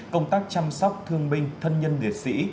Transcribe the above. công tác chăm sóc thương binh thân nhân liệt sĩ